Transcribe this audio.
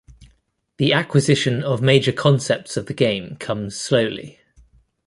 The acquisition of major concepts of the game comes slowly.